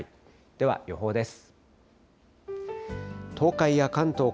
では予報です。